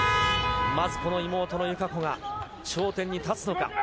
まず、妹の友香子が頂点に立つのか。